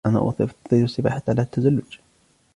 أنا أفضل السباحة على التزلج.